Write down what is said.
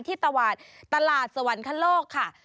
ที่ตลาดตลาดสวรรคโลกค่ะ